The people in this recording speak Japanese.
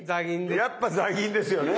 やっぱザギンですよね。